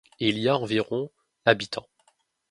Il y a environ habitants.